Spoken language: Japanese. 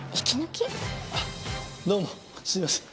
どうもすいません。